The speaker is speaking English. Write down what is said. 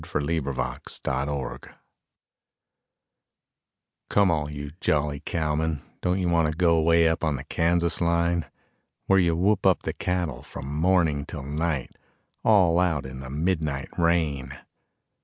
] THE KANSAS LINE Come all you jolly cowmen, don't you want to go Way up on the Kansas line? Where you whoop up the cattle from morning till night All out in the midnight rain.